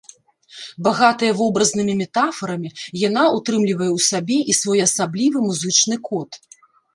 Багатая вобразнымі метафарамі, яна ўтрымлівае ў сабе і своеасаблівы музычны код.